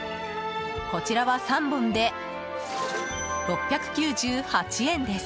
こちらは３本で６９８円です。